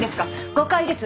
誤解です。